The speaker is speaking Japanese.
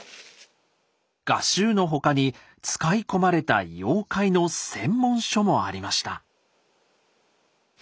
画集の他に使い込まれた妖怪の専門書もありました。